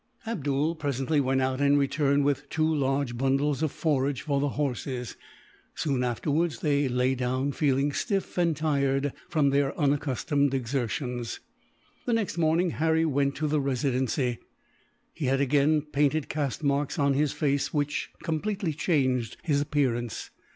Abdool presently went out, and returned with two large bundles of forage for the horses. Soon afterwards they lay down, feeling stiff and tired from their unaccustomed exertions. The next morning Harry went to the Residency. He had again painted caste marks on his face, which completely changed his appearance.